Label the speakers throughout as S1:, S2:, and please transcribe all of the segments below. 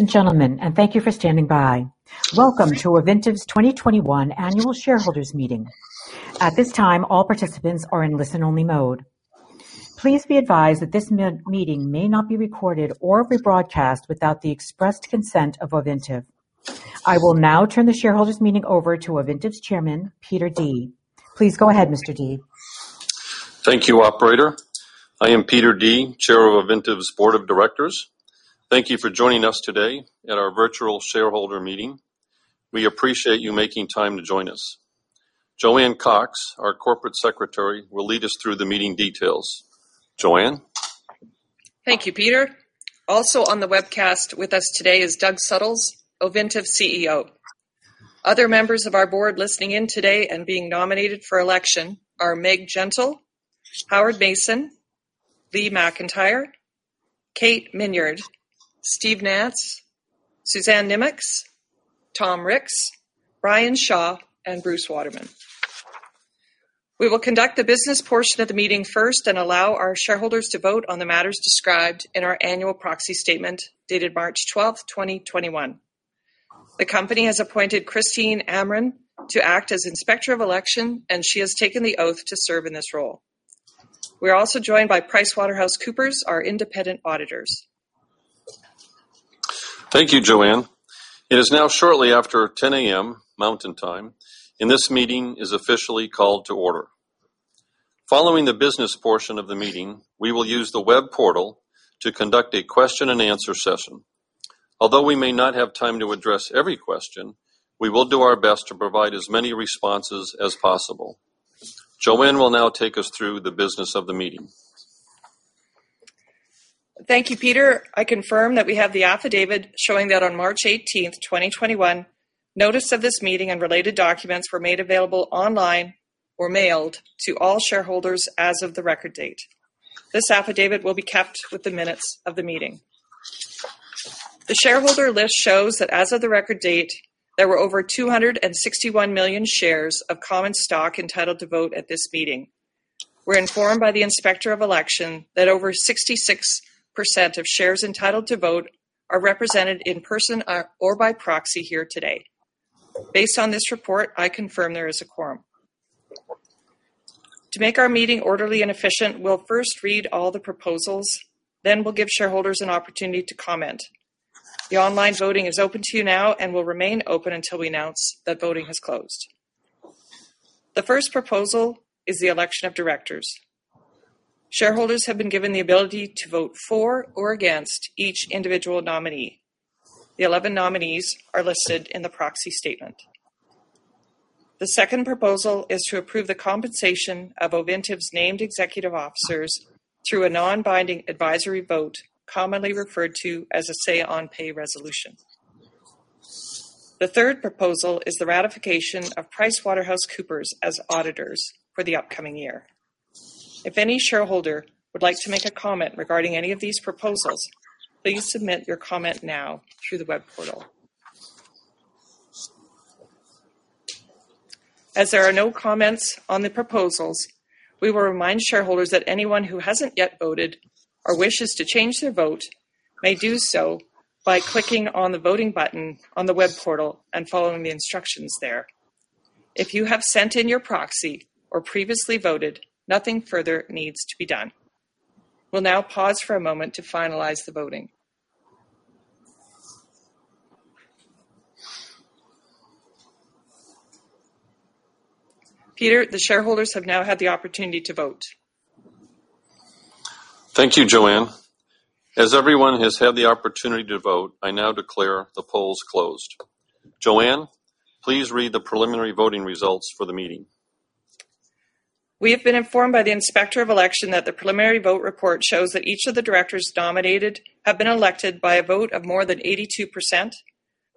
S1: Ladies and gentlemen, thank you for standing by. Welcome to Ovintiv's 2021 Annual Shareholders Meeting. At this time, all participants are in listen-only mode. Please be advised that this meeting may not be recorded or rebroadcast without the expressed consent of Ovintiv. I will now turn the shareholders meeting over to Ovintiv's Chairman, Peter Dea. Please go ahead, Mr. Dea.
S2: Thank you, operator. I am Peter Dea, chair of Ovintiv's board of directors. Thank you for joining us today at our virtual shareholder meeting. We appreciate you making time to join us. Joanne Cox, our Corporate Secretary, will lead us through the meeting details. Joanne?
S3: Thank you, Peter Dea. Also on the webcast with us today is Doug Suttles, Ovintiv's CEO. Other members of our board listening in today and being nominated for election are Meg Gentle, Howard Mayson, Lee A. McIntire, Katherine L. Minyard, Steven W. Nance, Suzanne P. Nimocks, Thomas G. Ricks, Brian G. Shaw, and Bruce G. Waterman. We will conduct the business portion of the meeting first and allow our shareholders to vote on the matters described in our annual proxy statement, dated March 12th, 2021. The company has appointed Christine O. Amran to act as Inspector of Election, and she has taken the oath to serve in this role. We are also joined by PricewaterhouseCoopers, our independent auditors.
S2: Thank you, Joanne. It is now shortly after 10:00 A.M., Mountain Time, and this meeting is officially called to order. Following the business portion of the meeting, we will use the web portal to conduct a question and answer session. Although we may not have time to address every question, we will do our best to provide as many responses as possible. Joanne will now take us through the business of the meeting.
S3: Thank you, Peter. I confirm that we have the affidavit showing that on March 18th, 2021, notice of this meeting and related documents were made available online or mailed to all shareholders as of the record date. This affidavit will be kept with the minutes of the meeting. The shareholder list shows that as of the record date, there were over 261 million shares of common stock entitled to vote at this meeting, we're informed by the Inspector of Election that over 66% of shares entitled to vote are represented in person or by proxy here today. Based on this report, I confirm there is a quorum. To make our meeting orderly and efficient, we'll first read all the proposals, then we'll give shareholders an opportunity to comment. The online voting is open to you now and will remain open until we announce that voting has closed. The first proposal is the election of directors. Shareholders have been given the ability to vote for or against each individual nominee. The 11 nominees are listed in the proxy statement. The second proposal is to approve the compensation of Ovintiv's named executive officers through a non-binding advisory vote, commonly referred to as a say-on-pay resolution. The third proposal is the ratification of PricewaterhouseCoopers as auditors for the upcoming year. If any shareholder would like to make a comment regarding any of these proposals, please submit your comment now through the web portal. As there are no comments on the proposals, we will remind shareholders that anyone who hasn't yet voted or wishes to change their vote may do so by clicking on the voting button on the web portal and following the instructions there. If you have sent in your proxy or previously voted, nothing further needs to be done. We'll now pause for a moment to finalize the voting. Peter, the shareholders have now had the opportunity to vote.
S2: Thank you, Joanne. As everyone has had the opportunity to vote, I now declare the polls closed. Joanne, please read the preliminary voting results for the meeting.
S3: We have been informed by the Inspector of Election that the preliminary vote report shows that each of the directors nominated have been elected by a vote of more than 82%.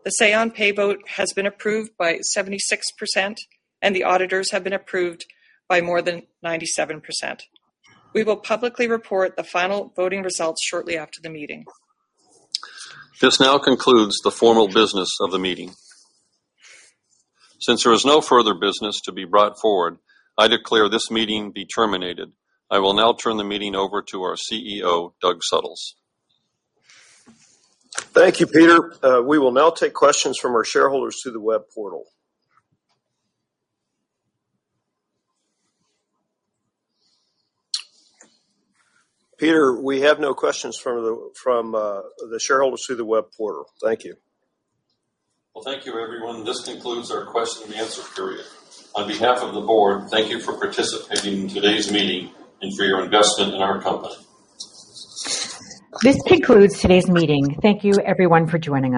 S3: The say-on-pay vote has been approved by 76%. The auditors have been approved by more than 97%. We will publicly report the final voting results shortly after the meeting.
S2: This now concludes the formal business of the meeting. Since there is no further business to be brought forward, I declare this meeting be terminated. I will now turn the meeting over to our CEO, Doug Suttles.
S4: Thank you, Peter. We will now take questions from our shareholders through the web portal. Peter, we have no questions from the shareholders through the web portal. Thank you.
S2: Well, thank you, everyone. This concludes our question and answer period. On behalf of the board, thank you for participating in today's meeting and for your investment in our company.
S1: This concludes today's meeting. Thank you everyone for joining.